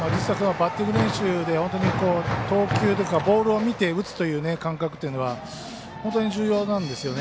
バッティング練習で本当に投球とかボールを見て打つという感覚というのは本当に重要なんですよね。